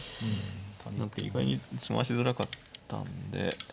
意外に詰ましづらかったんで。